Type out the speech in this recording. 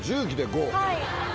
はい。